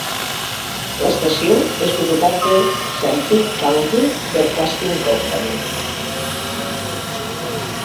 L'estació és propietat de Sanpete County Broadcasting Co.